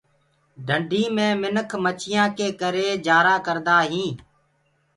ڍنڊي مي منک مڇيآنٚ ڪي ڪرآ ڪوجآ ڪردآ هينٚ۔